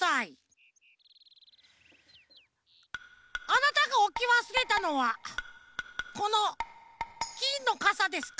あなたがおきわすれたのはこのきんのかさですか？